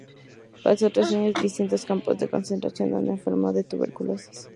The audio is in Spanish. Pasó tres años en distintos campos de concentración, donde enfermó de tuberculosis.